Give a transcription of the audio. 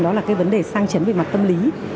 đó là cái vấn đề sang chấn về mặt tâm lý